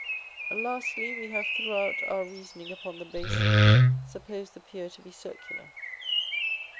Lastly; we have throughout our reasoning upon the base supposed the pier to be circular.